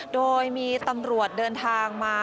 โดยมีตำรวจเดินทางมา